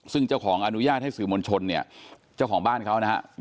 ซึ่งเจ้าของอนุญาตให้สื่อมวลชนเนี่ยเจ้าของบ้านเขานะครับ